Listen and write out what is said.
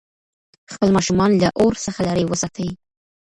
خپل ماشومان له اور څخه لرې وساتئ.